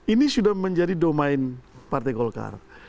ini sudah menjadi domain partai golkar